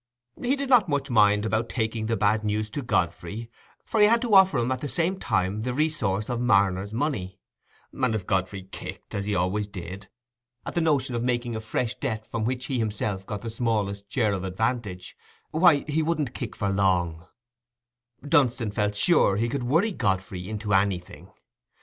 He did not much mind about taking the bad news to Godfrey, for he had to offer him at the same time the resource of Marner's money; and if Godfrey kicked, as he always did, at the notion of making a fresh debt from which he himself got the smallest share of advantage, why, he wouldn't kick long: Dunstan felt sure he could worry Godfrey into anything.